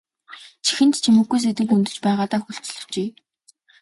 Чихэнд чимэггүй сэдэв хөндөж байгаадаа хүлцэл өчье.